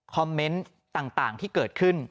เมนต์ต่างที่เกิดขึ้น